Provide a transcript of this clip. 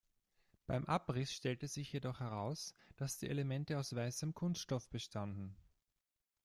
Beim Abriss stellte sich jedoch heraus, dass die Elemente aus weißem Kunststoff bestanden.